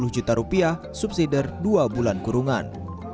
denda lima puluh juta rupiah subsidir dua bulan kurungan